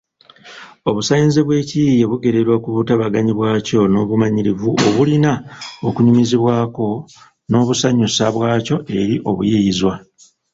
Obusaanizi bw’ekiyiiye bugererwa ku butabagane bwakyo n’obumanyirivu obulina okunyumizibwa ko n’obusanyusa bwakyo eri abayiiyizwa.